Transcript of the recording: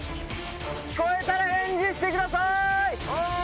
聞こえたら返事してください！